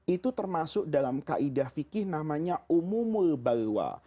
itu termasuk dalam kaidah fikih namanya umumul balwa